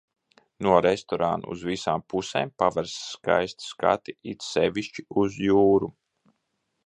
No restorāna uz visām pusēm paveras skaisti skati, it sevišķi uz jūru.